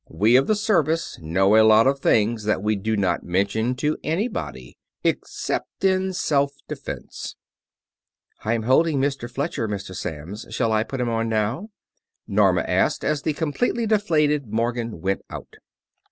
We of the Service know a lot of things that we do not mention to anybody except in self defense." "I am holding Fletcher, Mr. Samms. Shall I put him on now?" Norma asked, as the completely deflated Morgan went out.